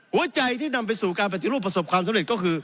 หัวใจที่นำไปสู่การปฏิรูปประสบความสำเร็จก็คือ